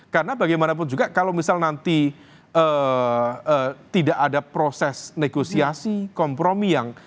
karena bagaimanapun juga kalau misal nanti tidak ada proses negosiasi kompromi yang